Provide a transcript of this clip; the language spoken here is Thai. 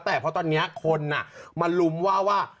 แต่เพราะตอนนี้คนมาลุมว่าว่า